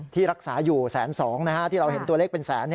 ที่รักษาอยู่๑๒๐๐ที่เราเห็นตัวเลขเป็นแสน